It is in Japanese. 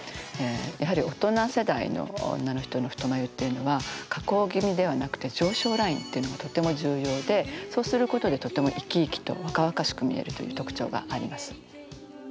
やはり大人世代の女の人の太眉っていうのは下降気味ではなくて上昇ラインというのがとても重要で、そうすることでとても生き生きと若々しく見えるという特徴があります。